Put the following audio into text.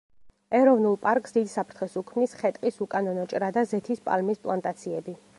ეროვნულ პარკს დიდ საფრთხეს უქმნის ხე–ტყის უკანონო ჭრა და ზეთის პალმის პლანტაციები.